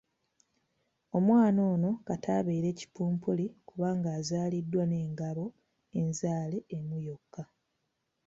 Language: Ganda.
Omwana ono kata abeere Kipumpuli kubanga azaaliddwa n’engabo enzaale emu yokka.